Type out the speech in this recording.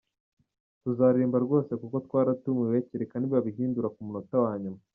Tuzaririmba rwose kuko twaratumiwe, kereka nibabihindura ku munota wa nyuma.